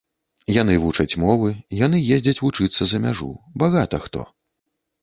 Яны вучаць мовы, яны ездзяць вучыцца за мяжу, багата хто.